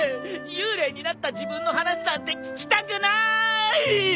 幽霊になった自分の話なんて聞きたくない！